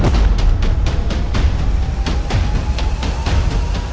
dia sudah menikah